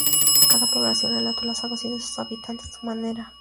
Cada población relató la salvación de sus habitantes a su manera.